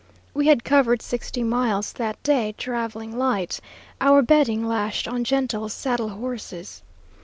We had covered sixty miles that day, traveling light, our bedding lashed on gentle saddle horses.